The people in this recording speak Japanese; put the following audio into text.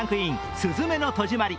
「すずめの戸締まり」。